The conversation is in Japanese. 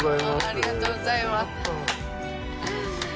ありがとうございます。